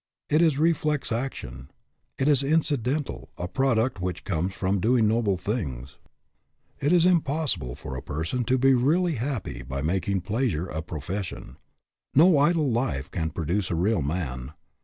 It is reflex action. It is incidental ; a product which comes from doing noble things. It is impossi 210 DOES THE WORLD OWE YOU? ble for a person to be really happy by making pleasure a profession. No idle life can produce a real man.